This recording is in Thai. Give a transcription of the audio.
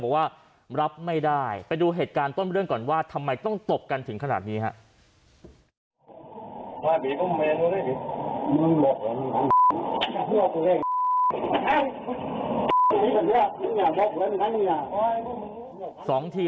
บอกว่ารับไม่ได้ไปดูเหตุการณ์ต้นเรื่องก่อนว่าทำไมต้องตบกันถึงขนาดนี้ครับ